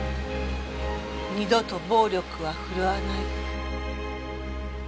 二度と暴力は振るわない。